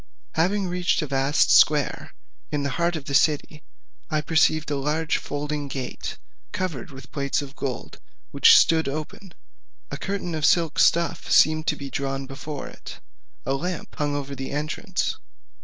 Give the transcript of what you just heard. Having reached a vast square, in the heart of the city, I perceived a large folding gate, covered with plates of gold, which stood open; a curtain of silk stuff seemed to be drawn before it: a lamp hung over the entrance.